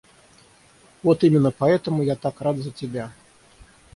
Вот именно поэтому я так рад за тебя.